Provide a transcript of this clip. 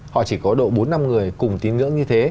họ chỉ có độ bốn năm người cùng tín ngưỡng như thế